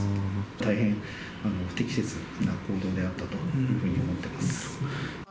大変不適切な行動であったというふうに思ってます。